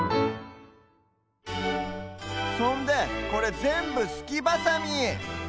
そんでこれぜんぶすきバサミ。